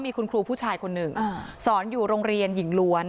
มีคุณครูผู้ชายคนหนึ่งสอนอยู่โรงเรียนหญิงล้วน